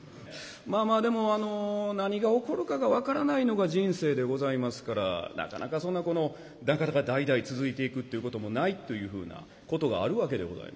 まあまあでもあの何が起こるかが分からないのが人生でございますからなかなかそんなこのなかなか代々続いていくっていうこともないというふうなことがあるわけでございます。